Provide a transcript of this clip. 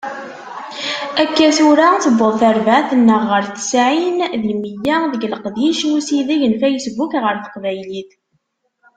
Akka tura tewweḍ terbaɛt-nneɣ ɣer tesɛin di meyya deg leqdic n usideg n Facebook ɣer teqbaylit.